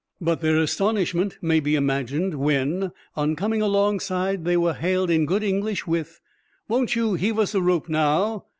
But their astonishment may be imagined when, on coming alongside, they were hailed in good English with, "Wont you heave us a rope now?"